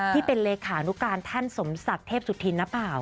ที่เป็นเลขานุการท่านสมศักดิ์เทพสุธินหรือเปล่า